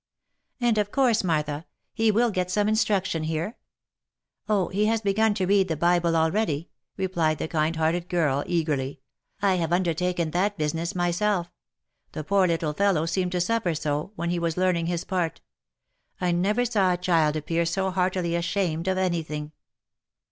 " And, of course, Martha, he will get some instruction here?" '* Oh ! he has begun to read the bible already," replied the kind hearted girl, eagerly. " I have undertaken that business myself. The poor little fellow seemed to suffer so, when he was learning his part/ I never saw a child appear so heartily ashamed of any thing."